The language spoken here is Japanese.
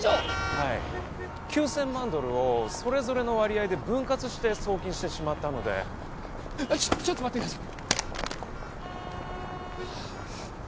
はい９千万ドルをそれぞれの割合で分割して送金してしまったのでちょっと待ってください